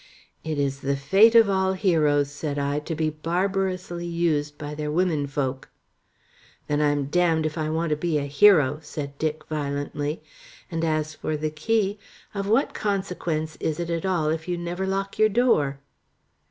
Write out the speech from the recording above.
"It is the fate of all heroes," said I, "to be barbarously used by their womenfolk." "Then I am damned if I want to be a hero," said Dick, violently. "And as for the key of what consequence is it at all if you never lock your door?"